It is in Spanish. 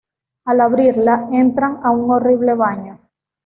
Al abrirla, entran a un horrible baño.